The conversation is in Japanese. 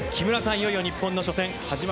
いよいよ日本の初戦